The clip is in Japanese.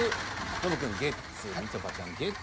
ノブくん「ゲッツ」みちょぱちゃん「ゲッツ」。